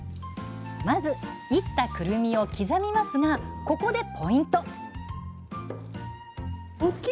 まずいったくるみを刻みますがここでポイント！